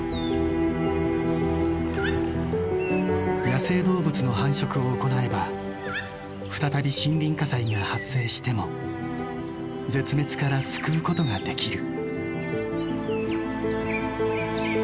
野生動物の繁殖を行えば再び森林火災が発生しても絶滅から救うことができる。